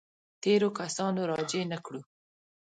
تېرو کسانو راجع نه کړو.